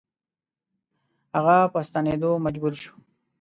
هغه په ستنېدلو مجبور شو.